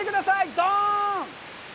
ドーン！